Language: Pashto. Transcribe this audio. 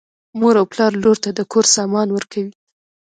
مور او پلار لور ته د کور سامان ورکوي.